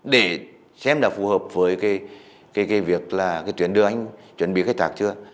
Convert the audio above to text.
để xem là phù hợp với cái việc là cái chuyển đường anh chuẩn bị khách thạc chưa